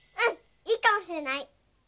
いいかもしれない！